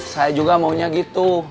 saya juga maunya gitu